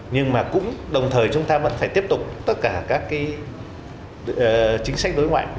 nhưng chúng ta cũng lại rất là may chúng ta cùng lúc